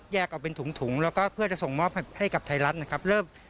ออกเป็นถุงแล้วก็เพื่อจะส่งมอบให้กับไทยรัฐนะครับ